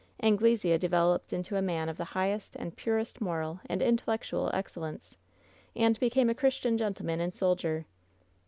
Anglesea developed into a man of the highest and purest moral and intellectual excel lence, and became a Christian gentleman and soldier.